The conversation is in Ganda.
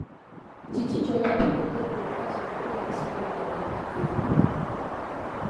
Kiki ky'otategedde ggwe omukazi omukulu eyasuna edda n'amabeere?